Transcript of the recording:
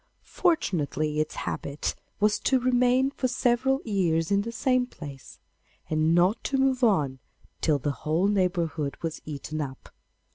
Fortunately its habit was to remain for several years in the same place, and not to move on till the whole neighbourhood was eaten up.